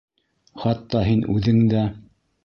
Хатта һин үҙең дә.